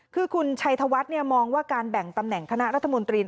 คือคุณชัยธวัฒน์มองว่าการแบ่งตำแหน่งคณะรัฐมนตรี